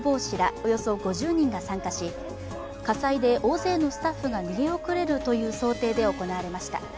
およそ５０人が参加し火災で大勢のスタッフが逃げ遅れるという想定で行われました。